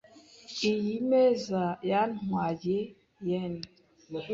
Iyi meza yantwaye yen .